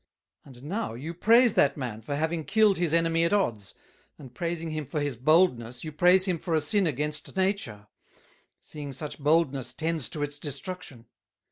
And now you praise that Man, for having killed his Enemy at odds, and praising him for his Boldness you praise him for a Sin against nature; seeing such Boldness tends to its destruction.